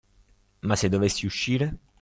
Ma se dovessi uscire.